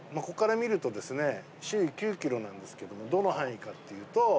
ここから見ると周囲９ｋｍなんですけどどの範囲かっていうと。